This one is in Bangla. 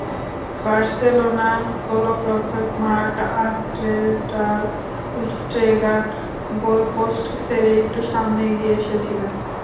বার্সেলোনা গোলরক্ষক মার্ক আন্দ্রে টার-স্টেগান গোলপোস্ট ছেড়ে একটু সামনে এগিয়ে এসেছিলেন।